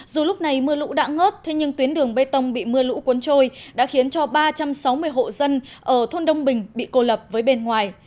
dù lúc này mưa lũ đã ngớt thế nhưng tuyến đường bê tông bị mưa lũ cuốn trôi đã khiến cho ba trăm sáu mươi hộ dân ở thôn đông bình bị cô lập với bên ngoài